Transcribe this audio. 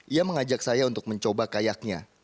ia mengajak saya untuk mencoba kayaknya